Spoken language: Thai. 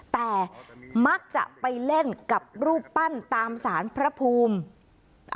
แต่มักจะไปเล่นกับรูปปั้นตามสารพระภูมิ